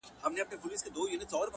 پرېږده جهاني دا د نیکه او د اباکیسې٫